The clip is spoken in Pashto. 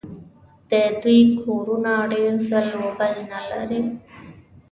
د دوی کورونه ډېر ځل و بل نه لري.